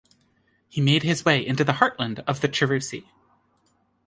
He made his way into the heartland of the Cherusci.